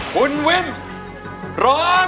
คุณวิมร้อง